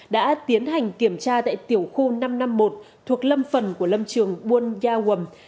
đã tiến hành kiểm tra tại tiểu khu năm trăm năm mươi một thuộc lâm phần của lâm trường buôn yaguầm